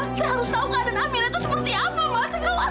saya harus tahu keadaan hamil itu seperti apa mas